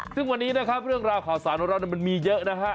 ซึ่งวันนี้นะครับเรื่องราวข่าวสารของเรามันมีเยอะนะฮะ